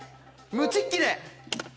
ムチッキで。